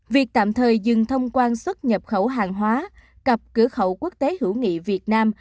việc tạm thời dừng thông quan xuất nhập khẩu hàng hóa cặp cửa khẩu quốc tế hữu nghị việt nam